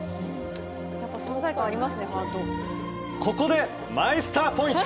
ここでマイスターポイント